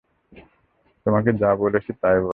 তোমাকে যা বলেছি তাই বলো।